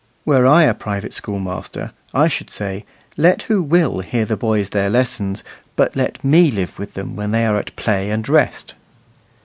Were I a private school master, I should say, Let who will hear the boys their lessons, but let me live with them when they are at play and rest.